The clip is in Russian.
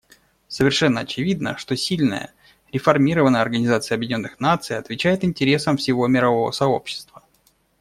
Совершенно очевидно, что сильная, реформированная Организация Объединенных Наций отвечает интересам всего мирового сообщества.